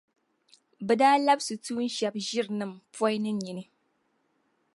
Bɛ daa labsi tuun’ shεba ʒirinim’ poi ni nyini.